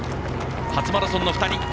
初マラソンの２人。